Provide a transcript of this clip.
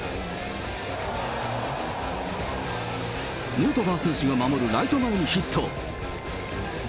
ヌートバー選手が守るライト前にヒット。